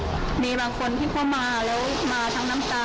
มีคนที่เข้ามาแล้วมาทั้งน้ำตา